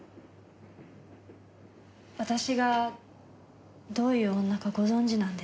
私がどういう女かご存じなんでしょう？